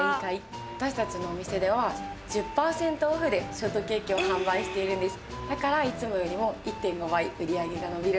私たちのお店では１０％オフでショートケーキを販売しているんです。